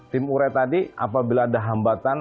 tim ure tadi apabila ada hambatan